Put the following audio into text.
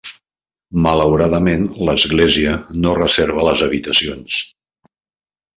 Malauradament, l'Església no reserva les habitacions.